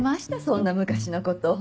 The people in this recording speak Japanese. そんな昔のこと。